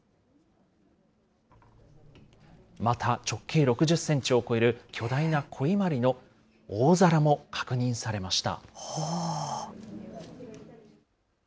また、直径６０センチを超える巨大な古伊万里の大皿も確認されました。